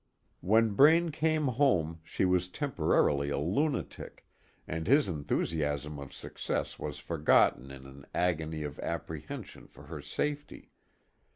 When Braine came home she was temporarily a lunatic, and his enthusiasm of success was forgotten in an agony of apprehension for her safety.